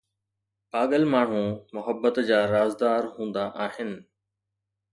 پاگل ماڻهو محبت جا رازدار هوندا آهن